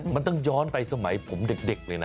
มันต้องย้อนไปสมัยผมเด็กเลยนะ